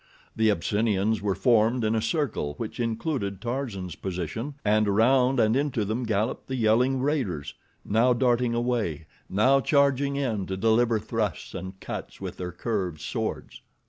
The Abyssinians were formed in a circle which included Tarzan's position, and around and into them galloped the yelling raiders, now darting away, now charging in to deliver thrusts and cuts with their curved swords.